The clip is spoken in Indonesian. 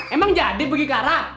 emang jadi pergi ke arab